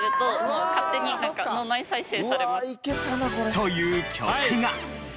という曲が。